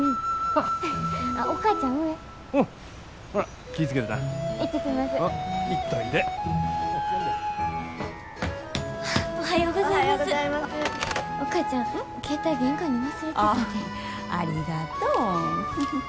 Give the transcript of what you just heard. ああありがとう。